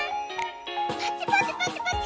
パチパチパチパチ。